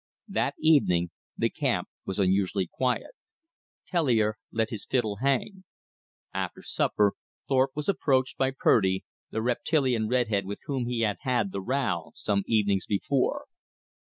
That evening the camp was unusually quiet. Tellier let his fiddle hang. After supper Thorpe was approached by Purdy, the reptilian red head with whom he had had the row some evenings before.